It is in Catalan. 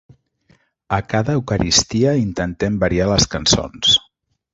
A cada Eucaristia intentem variar les cançons.